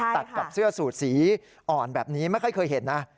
ตัดกับเสื้อสูตรสีอ่อนแบบนี้ไม่ค่อยเคยเห็นนะ